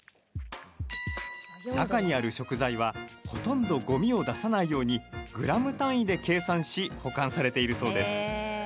中にある食材はほとんどごみを出さないようにグラム単位で計算し保管されているそうです。